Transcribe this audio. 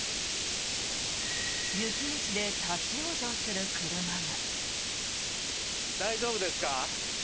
雪道で立ち往生する車が。